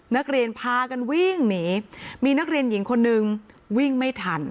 นักเรียนพากันวิ่งหนีมีนักเรียนหญิงคนนึงวิ่งไม่ทัน